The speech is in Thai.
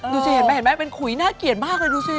เห็นไหมเห็นไหมเป็นขุยน่าเกลียดมากเลยดูสิ